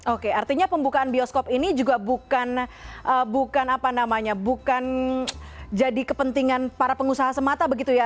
oke artinya pembukaan bioskop ini juga bukan apa namanya bukan jadi kepentingan para pengusaha semata begitu ya